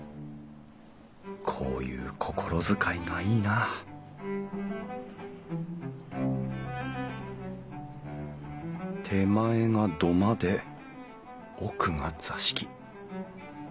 こういう心遣いがいいな手前が土間で奥が座敷。